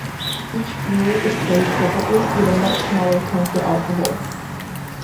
Each fuel is carried separately, with a much smaller tank for alcohol.